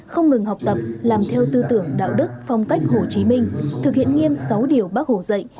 không ngừng học tập làm theo tư tưởng đạo đức phong cách hồ chí minh thực hiện nghiêm sáu điều bác hồ dạy